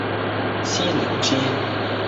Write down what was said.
西陵街